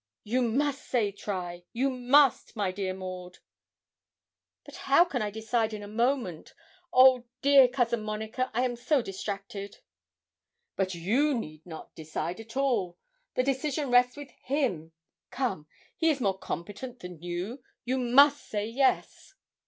'You must say try you must, my dear Maud.' 'But how can I decide in a moment? Oh, dear Cousin Monica, I am so distracted!' 'But you need not decide at all; the decision rests with him. Come; he is more competent than you. You must say yes.'